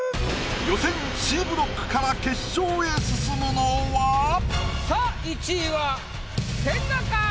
予選Ｃブロックから決勝へ進むのは⁉さあ１位は千賀か？